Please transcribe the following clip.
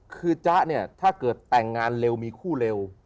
คือจ๊ะเนี่ยถ้าเกิดแต่งงานเร็วมีคู่เร็ว